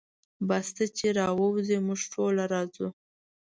بس ته چې راووځې موږ ټول راوځو.